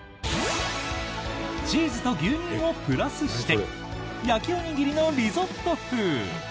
チーズと牛乳をプラスして焼きおにぎりのリゾット風。